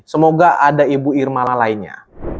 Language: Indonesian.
semoga ada ibu irmala lainnya